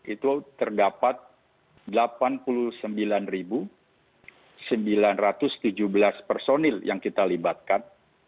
itu terdapat delapan puluh sembilan sembilan ratus tujuh belas personil yang kita libatkan